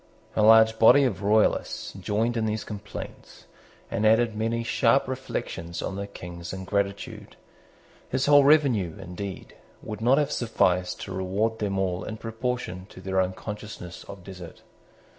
A large body of Royalists joined in these complaints, and added many sharp reflections on the King's ingratitude. His whole revenue, indeed, would not have sufficed to reward them all in proportion to their own consciousness of desert.